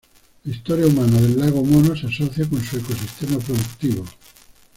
La historia humana del lago Mono se asocia con su ecosistema productivo.